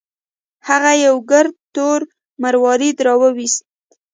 هغه یو ګرد تور مروارید راوویست.